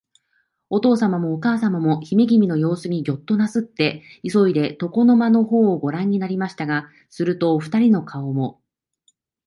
おとうさまもおかあさまも、始君のようすにギョッとなすって、いそいで、床の間のほうをごらんになりましたが、すると、おふたりの顔も、